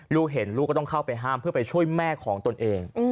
ลูกเห็นลูกก็ต้องเข้าไปห้ามเพื่อไปช่วยแม่ของตนเอง